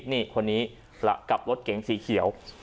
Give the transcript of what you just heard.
นี่คนนี้กับรถเก๋งสีเขียว